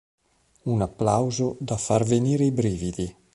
Un applauso da far venire i brividi.